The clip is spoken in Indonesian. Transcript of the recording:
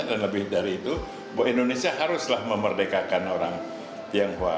dan lebih dari itu indonesia haruslah memerdekakan orang tionghoa